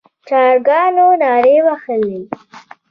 چرګانو نارې وهلې.